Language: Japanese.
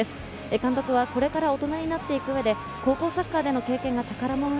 監督はこれから大人になっていく上で高校サッカーでの経験が宝物に